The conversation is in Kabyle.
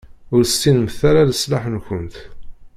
Ur tessinemt ara leṣlaḥ-nkent.